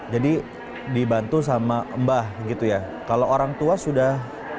jadi dibantu sama mbah gitu ya kalau orang tua sudah